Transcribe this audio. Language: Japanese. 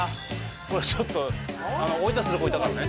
これちょっとオイタする子いたからね。